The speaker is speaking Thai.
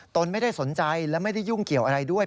ไม่ได้สนใจและไม่ได้ยุ่งเกี่ยวอะไรด้วย